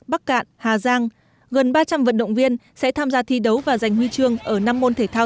bắc cạn hà giang gần ba trăm linh vận động viên sẽ tham gia thi đấu và giành huy chương ở năm môn thể thao